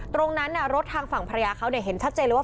รถทางฝั่งภรรยาเขาเห็นชัดเจนเลยว่า